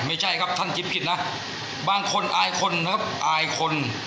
ไม่ใช่ครับท่านคิดผิดนะบางคนอายคนนะครับอายคน